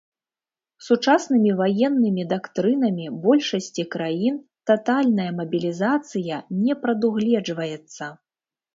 Сучаснымі ваеннымі дактрынамі большасці краін татальная мабілізацыя не прадугледжваецца.